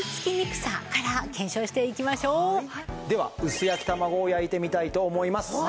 まずはでは薄焼き卵を焼いてみたいと思います。